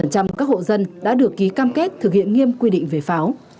một trăm linh các hộ dân đã được ký cam kết thực hiện nghiêm quy định về pháo